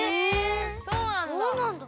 そうなんだ。